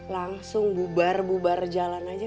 langsung bubar bubar jalan aja